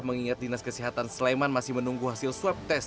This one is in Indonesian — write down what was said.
mengingat dinas kesehatan sleman masih menunggu hasil swab test